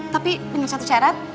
tapi dengan satu carat